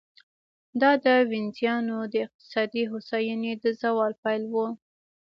دا د وینزیانو د اقتصادي هوساینې د زوال پیل و.